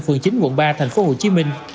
phường chín quận ba thành phố hồ chí minh